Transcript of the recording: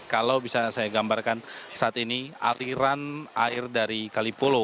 kalau bisa saya gambarkan saat ini aliran air dari kalipolo